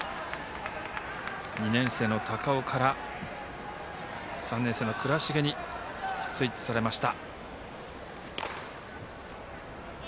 ２年生の高尾から３年生の倉重にスイッチされました。